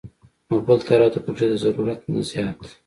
نو بل طرف ته پکښې د ضرورت نه زيات